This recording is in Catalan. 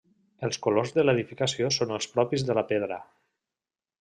Els colors de l'edificació són els propis de la pedra.